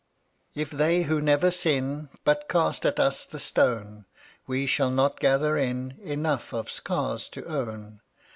96 If they who never sin But cast at us the stone, We shall not gather in Enough of scars to own.